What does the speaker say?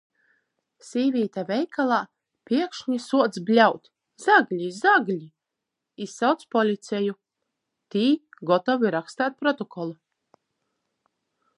Sīvīte veikalā piekšni suoc bļaut: -Zagli! Zagli!... Izsauc policeju. Tī gotovi raksteit protokolu.